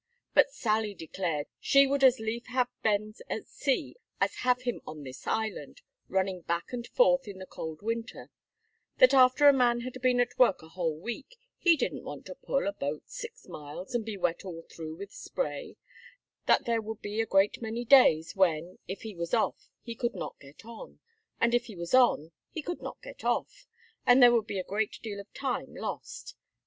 But Sally declared she would as lief have Ben at sea as have him on this island, running back and forth in the cold winter; that after a man had been at work a whole week, he didn't want to pull a boat six miles, and be wet all through with spray; that there would be a great many days, when, if he was off, he could not get on, and if he was on, he could not get off, and there would be a great deal of time lost.